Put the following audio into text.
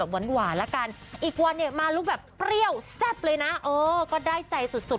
ร้อนหวานแล้วกันอีกวันเนี่ยมาลูกแบบเปรี้ยวสับเลยน่ะเออก็ได้ใจสุด